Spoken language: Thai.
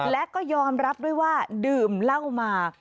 และก็ยอมรับด้วยว่าดื่มเหล้ามา